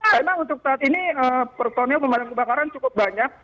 memang untuk saat ini personil pemadam kebakaran cukup banyak